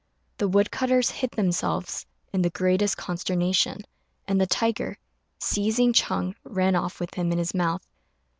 The wood cutters hid themselves, in the greatest consternation; and the tiger, seizing Ch'êng, ran off with him in his mouth.